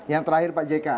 yang terakhir pak pajeka